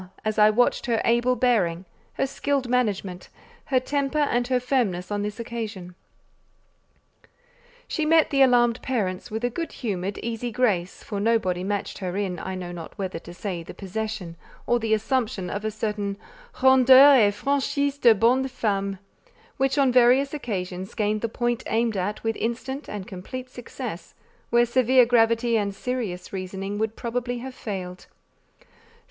as I watched her able bearing, her skilled management, her temper and her firmness on this occasion. She met the alarmed parents with a good humoured, easy grace for nobody matched her in, I know not whether to say the possession or the assumption of a certain "rondeur et franchise de bonne femme;" which on various occasions gained the point aimed at with instant and complete success, where severe gravity and serious reasoning would probably have failed.